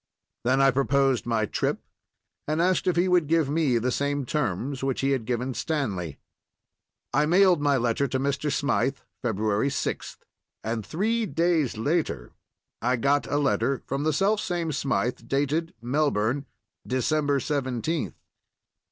Then I proposed my trip, and asked if he would give me the same terms which he had given Stanley. I mailed my letter to Mr. Smythe February 6th, and three days later I got a letter from the selfsame Smythe, dated Melbourne, December 17th.